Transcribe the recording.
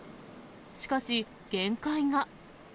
しかし、限界が。